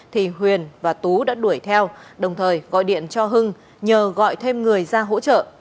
thì huyền và tú đã đuổi theo đồng thời gọi điện cho hưng nhờ gọi thêm người ra hỗ trợ